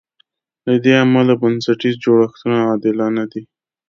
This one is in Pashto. له دې امله بنسټیز جوړښتونه عادلانه دي.